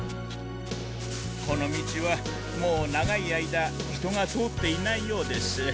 この道はもう長い間人が通っていないようです。